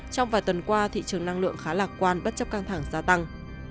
trong vài tuần qua thị trường năng lượng khá lạc quan bất chấp căng thẳng gia tăng